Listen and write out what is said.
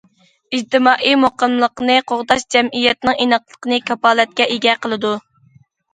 ئىجتىمائىي مۇقىملىقنى قوغداش جەمئىيەتنىڭ ئىناقلىقىنى كاپالەتكە ئىگە قىلىدۇ.